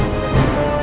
adalah satu buruan badan